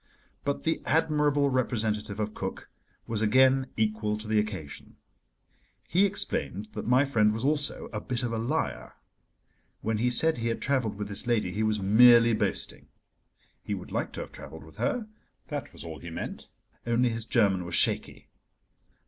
But the admirable representative of Cook was again equal to the occasion. He explained that my friend was also a bit of a liar. When he said he had travelled with this lady he was merely boasting. He would like to have travelled with her, that was all he meant, only his German was shaky.